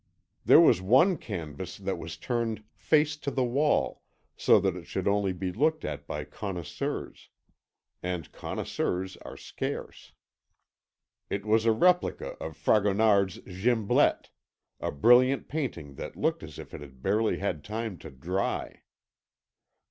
There was one canvas that was turned face to the wall so that it should only be looked at by connoisseurs; and connoisseurs are scarce. It was a replica of Fragonard's Gimblette, a brilliant painting that looked as if it had barely had time to dry.